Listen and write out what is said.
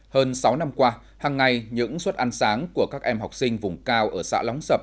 hơn sáu năm qua hằng ngày những suất ăn sáng của các em học sinh vùng cao ở xã lóng sập